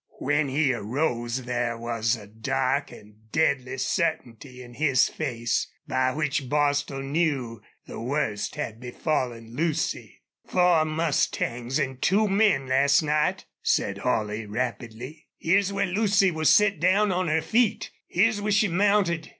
When he arose there was a dark and deadly certainty in his face, by which Bostil knew the worst had befallen Lucy. "Four mustangs an' two men last night," said Holley, rapidly. "Here's where Lucy was set down on her feet. Here's where she mounted....